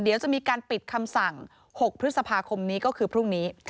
เดี๋ยวจะมีการปิดคำสั่ง๖พฤษภาคมนี้ก็คือพรุ่งนี้